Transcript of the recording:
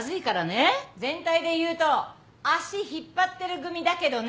全体でいうと足引っ張ってる組だけどね。